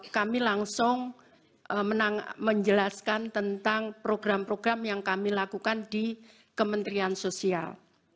kami langsung menjelaskan tentang program program yang kami lakukan di kementerian sosial